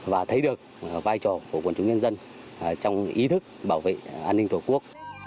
và thấy được vai trò của quần chúng nhân dân trong ý thức bảo vệ an ninh tổ quốc